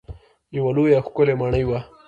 یوه لویه ښکلې ماڼۍ وه.